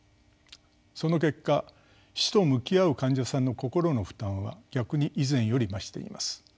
その結果死と向き合う患者さんの心の負担は逆に以前より増しています。